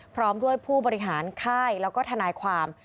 พร้อมด้วยผู้บริหารค่ายแล้วก็ทนายความ